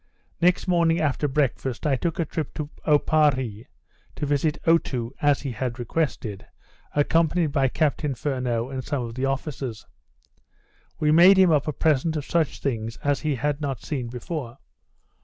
Next morning after breakfast, I took a trip to Oparree, to visit Otoo as he had requested, accompanied by Captain Furneaux and some of the officers. We made him up a present of such things as he had not seen before.